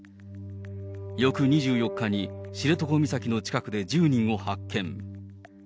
翌２４日に、知床岬の近くで１０人を発見。